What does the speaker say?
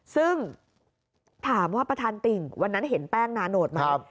ซึ่งถามว่าประธานติ่งวันนั้นเห็นแป้งนาโนตไหม